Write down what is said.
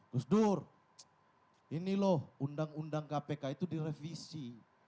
gus dur ini loh undang undang kpk itu direvisi